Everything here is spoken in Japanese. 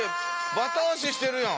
バタ足してるやん。